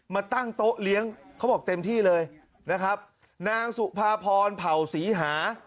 มาตั้งโต๊ะเลี้ยงเขาบอกเต็มที่เลยนะครับนางสุภาพรเผ่าศรีหา